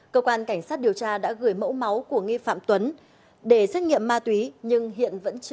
cơ quan cảnh sát điều tra đã gửi mẫu máu của nghi vọng